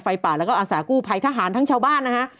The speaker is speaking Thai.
ป่าแล้วก็อาสากู้ภัยทหารทั้งชาวบ้านนะฮะ